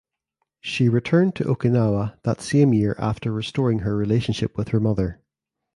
She returned to Okinawa that same year after restoring her relationship with her mother.